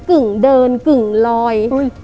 กึ่งเดินกึ่งลอย